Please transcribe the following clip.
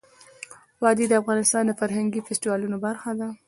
وادي د افغانستان د فرهنګي فستیوالونو برخه ده.